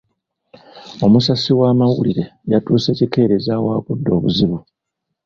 Omusasi w'amawulire yatuuse kikeerezi ewaagudde obuzibu.